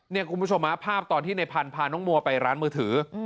เนี่ยทุกคุณผู้ชมใหม่ภาพตอนที่นายพันธุ์พาน้องมัวไปร้านมือถือ